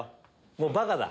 もうバカだ。